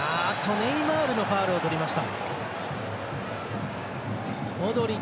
ネイマールのファウルをとりました。